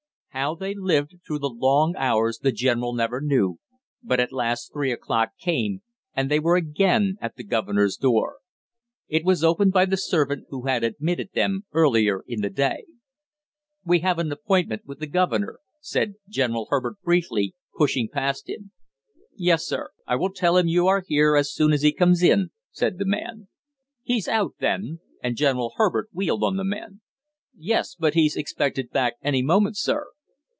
How they lived through the long hours the general never knew, but at last three o'clock came and they were again at the governor's door. It was opened by the servant who had admitted them earlier in the day. "We have an appointment with the governor," said General Herbert briefly, pushing past him. "Yes, sir; I will tell him you are here as soon as he comes in," said the man. "He's out, then?" and General Herbert wheeled on the man. "Yes, but he's expected back any moment, sir."